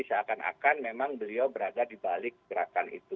seakan akan memang beliau berada di balik gerakan itu